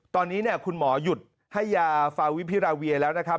ตอนนี้คุณหมอหยุดให้ยาฟาวิพิราเวียแล้วนะครับ